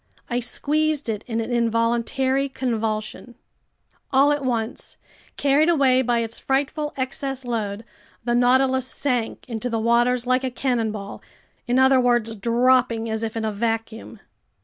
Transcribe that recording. I squeezed it in an involuntary convulsion. All at once, carried away by its frightful excess load, the Nautilus sank into the waters like a cannonball, in other words, dropping as if in a vacuum!